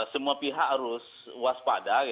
semua pihak harus waspada